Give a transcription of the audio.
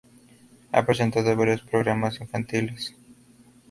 Ha presentado varios programas infantiles.